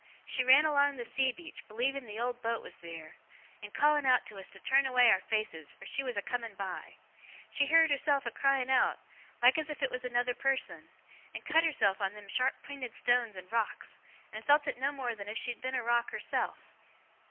She ran along the sea beach, believing the old boat was theer; and calling out to us to turn away our faces, for she was a coming by. She heerd herself a crying out, like as if it was another person; and cut herself on them sharp pinted stones and rocks, and felt it no more than if she had been rock herself.